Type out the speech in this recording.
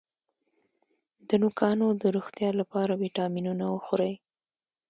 د نوکانو د روغتیا لپاره ویټامینونه وخورئ